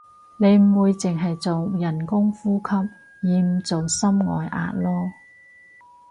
你唔會淨係做人工呼吸而唔做心外壓囉